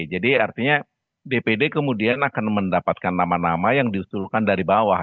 jadi artinya dpd kemudian akan mendapatkan nama nama yang disuruhkan dari bawah